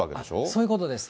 そういうことです。